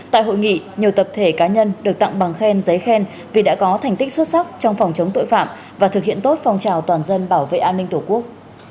tại hội nghị nhiều tập thể cá nhân được tặng bằng khen giấy khen vì đã có thành tích xuất sắc trong phòng chống tội phạm và thực hiện tốt phong trào toàn dân bảo vệ an ninh tổ quốc